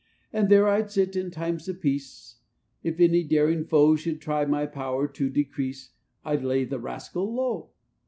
"And there I'd sit, in times of peace; If any daring foe Should try my power to decrease, I'd lay the rascal low.